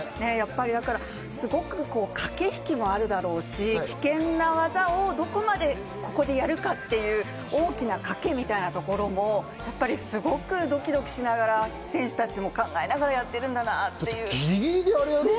すごく駆け引きもあるだろうし危険な技をどこまでここでやるかっていう大きな賭けみたいなところもやっぱりすごくドキドキしながら選手たちも考えながらやってるんだろうなぁって。